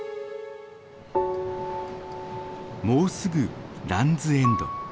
もうすぐランズ・エンド。